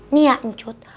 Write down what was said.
nih ya encut